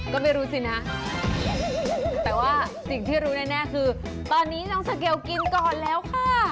ก็ไม่รู้สินะแต่ว่าสิ่งที่รู้แน่คือตอนนี้น้องสเกลกินก่อนแล้วค่ะ